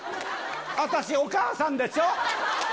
私、お母さんでしょ。